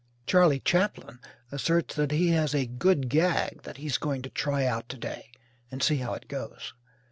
Charley Chaplin asserts that he has "a good gag" that he's going to try out to day and see how it goes.